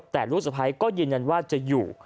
แต่ลูกสะพ้ายก็ยืนยันว่าจะอยู่